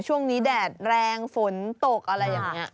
แดดแรงฝนตกอะไรอย่างนี้